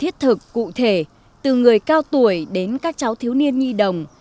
thiết thực cụ thể từ người cao tuổi đến các cháu thiếu niên nhi đồng